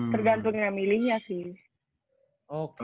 tergantung yang milihnya sih